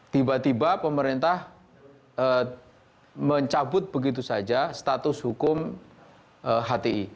tiba tiba pemerintah mencabut begitu saja status hukum hti